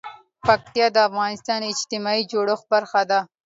پکتیکا د افغانستان د اجتماعي جوړښت برخه ده.